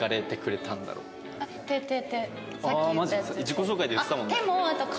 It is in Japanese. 自己紹介で言ってたもんね。